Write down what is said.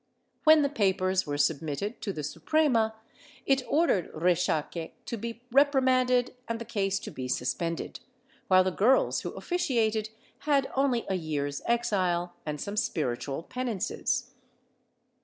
When the papers were sub mitted to the Suprema it ordered Rexaque to be reprimanded and the case to be suspended, while the girls who officiated had only a year's exile and some spiritual penances.